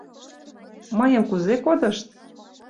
Мыйым кузе кодышт?